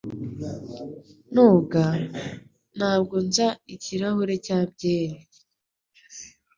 Noga, hanyuma nza ikirahure cya byeri.